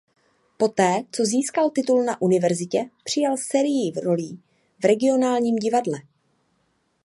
Poté co získal titul na univerzitě přijal sérii rolí v regionálním divadle.